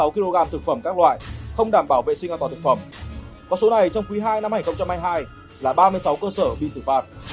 có số này trong quý hai năm hai nghìn hai mươi hai là ba mươi sáu cơ sở bị xử phạt